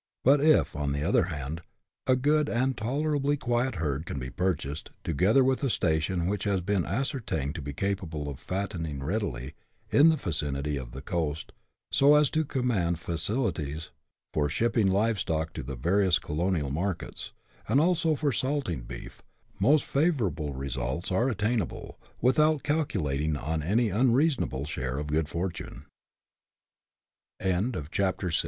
But if, on the other hand, a good and tolerably quiet herd can be purchased, together with a station which has been ascertained to be capable of fattening readily, in the vicinity of the coast, so as to command facilities for shipping live stock to the various colonial markets, and also for salting beef, most favourable results are attainable, without calculating on any un reasonable